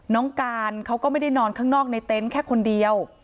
น้องการเขาก็ไม่ได้นอนข้างนอกในเต็นต์แค่คนเดียว